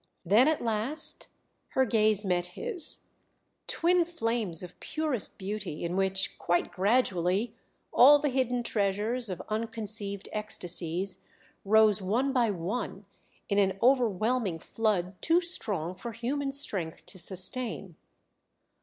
Then at last her gaze met his ... twin flames of purest beauty, in which, quite gradually, all the hidden treasures of unconceived ecstasies rose one by one in an overwhelming flood too strong for human strength to sustain.